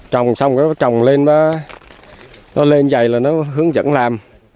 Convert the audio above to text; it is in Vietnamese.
trồng xong nó trồng lên nó lên dày là nó hướng dẫn làm